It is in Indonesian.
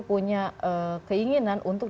punya keinginan untuk